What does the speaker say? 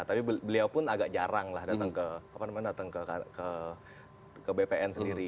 tapi beliau pun agak jarang lah datang ke bpn sendiri